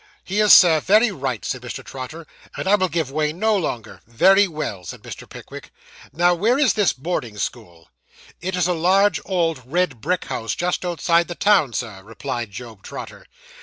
'He is, sir, very right,' said Mr. Trotter, 'and I will give way no longer.' Very well,' said Mr. Pickwick. 'Now, where is this boarding school?' 'It is a large, old, red brick house, just outside the town, Sir,' replied Job Trotter.